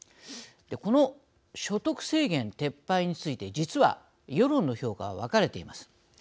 この所得制限撤廃について実は、世論の評価は分かれています。